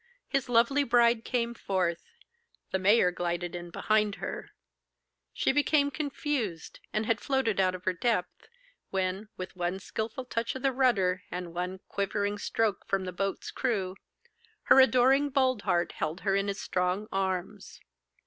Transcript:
His lovely bride came forth, the mayor glided in behind her, she became confused, and had floated out of her depth, when, with one skilful touch of the rudder and one quivering stroke from the boat's crew, her adoring Boldheart held her in his strong arms.